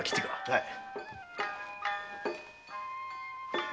はい。